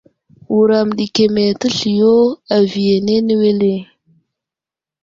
Wuram ɗi keme təsliyo aviyene wele.